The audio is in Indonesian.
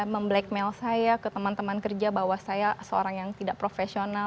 memblackmail saya ke teman teman kerja bahwa saya seorang yang tidak profesional